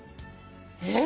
えっ？